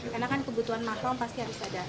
karena kan kebutuhan makrom pasti harus ada